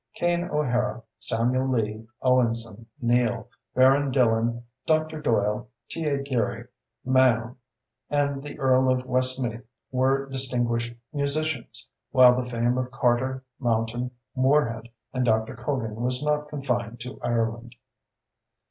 Kane O'Hara, Samuel Lee, Owenson, Neale, Baron Dillon, Dr. Doyle, T.A. Geary, Mahon, and the Earl of Westmeath were distinguished musicians while the fame of Carter, Mountain, Moorehead, and Dr. Cogan was not confined to Ireland.